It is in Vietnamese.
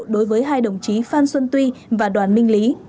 đối với hai đồng chí phan xuân tuy và đoàn minh lý